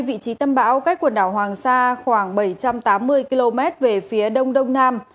vị trí tâm bão cách quần đảo hoàng sa khoảng bảy trăm tám mươi km về phía đông đông nam